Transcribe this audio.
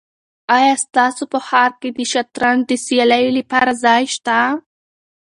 آیا ستاسو په ښار کې د شطرنج د سیالیو لپاره ځای شته؟